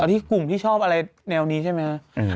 ที่กลุ่มที่ชอบอะไรแนวนี้ใช่ไหมครับ